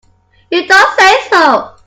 You don't say so!